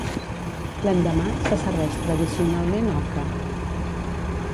L'endemà, se servix tradicionalment oca.